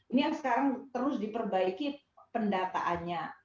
ini yang sekarang terus diperbaiki pendataannya